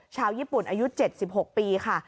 ชาวญี่ปุ่นอายุ๗๖ปีค่ะ